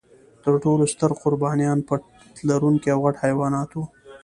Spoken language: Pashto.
تر ټولو ستر قربانیان پت لرونکي او غټ حیوانات و.